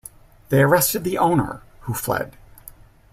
They arrested the owner, who fled.